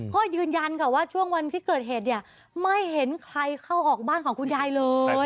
ยืนยันค่ะว่าช่วงวันที่เกิดเหตุเนี่ยไม่เห็นใครเข้าออกบ้านของคุณยายเลย